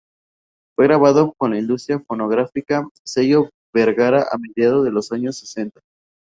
Fue grabado con la industria fonográfica Sello Vergara a mediados de los años sesenta.